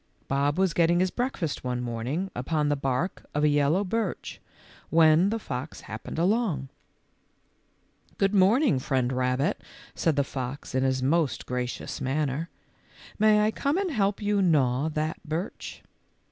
Bob was getting his breakfast one morning upon the bark of a yellow birch when the fox happened along. " Good morning, Friend Rabbit," said the fox in his most gracious manner ;" may I come and help you gnaw that birch